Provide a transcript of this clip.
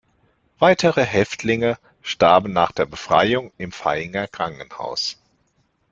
Weitere Häftlinge starben nach der Befreiung im Vaihinger Krankenhaus.